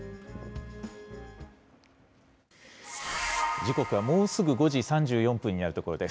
時刻はもうすぐ５時３４分になるところです。